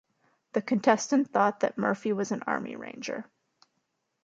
The contestant thought that Murphy was an Army Ranger.